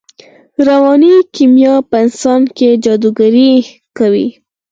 رواني کیمیا په انسان کې جادوګري کوي